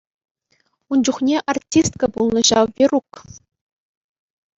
Ун чухнех артистка пулнӑ ҫав Верук.